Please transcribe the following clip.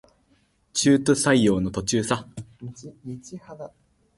中途採用の途中さ